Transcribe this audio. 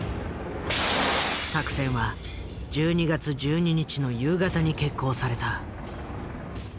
作戦は１２月１２日の夕方に決行された。